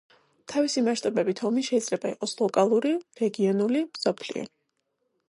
თავისი მასშტაბებით ომი შეიძლება იყოს ლოკალური, რეგიონული, მსოფლიო.